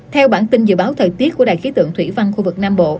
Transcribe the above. theo bản tin dự báo thời tiết của đài khí tượng thủy văn khu vực nam bộ